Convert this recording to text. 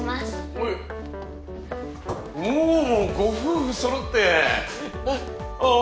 はいおぉご夫婦そろってあぁ